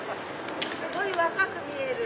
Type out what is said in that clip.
すごい若く見える！